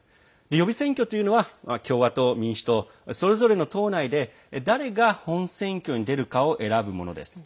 予備選挙というのは共和党、民主党それぞれの党内で誰が本選挙に出るかを選ぶものです。